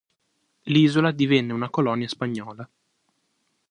L'isola divenne una colonia spagnola.